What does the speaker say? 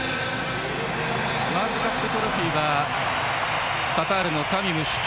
ワールドカップトロフィーがカタールのタミム首長。